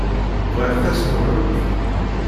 Bɣiɣ tasbuḥrut.